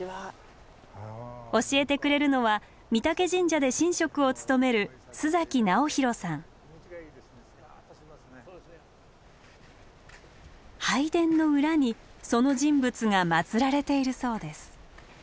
教えてくれるのは御嶽神社で神職を務める拝殿の裏にその人物が祀られているそうです。